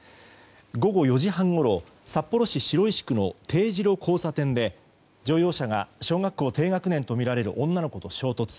午後４時半ごろ札幌市白石区の丁字路交差点で乗用車が小学校低学年とみられる女の子と衝突。